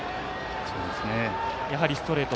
やはり、ストレート